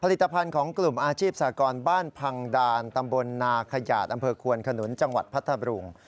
ภัณฑ์ของกลุ่มอาชีพสากรบ้านพังดานตำบลนาขยาดอำเภอควนขนุนจังหวัดพัทธบรุง